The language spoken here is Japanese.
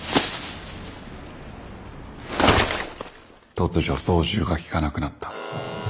突如操縦が利かなくなった。